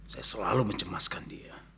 saya selalu mencemaskan dia